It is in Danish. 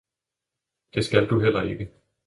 Det skal du heller ikke!